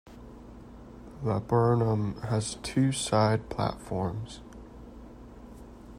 Laburnum has two side platforms.